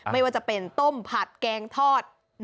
ไม่ว่าจะเป็นต้มผัดแกงทอด